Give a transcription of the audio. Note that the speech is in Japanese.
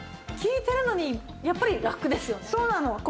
効いてるのにやっぱりラクですよね。